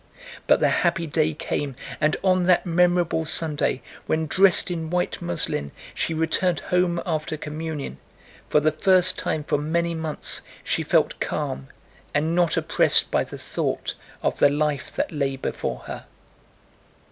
But the happy day came, and on that memorable Sunday, when, dressed in white muslin, she returned home after communion, for the first time for many months she felt calm and not oppressed by the thought of the life that lay before her.